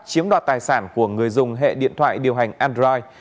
chiếm đoạt tài sản của người dùng hệ điện thoại điều hành android